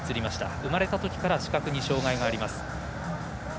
生まれたときから視覚に障がいがあります。